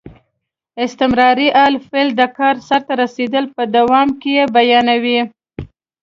استمراري حال فعل د کار سرته رسېدل په دوام کې بیانیوي.